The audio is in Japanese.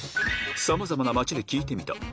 さまざまな街で聞いてみた。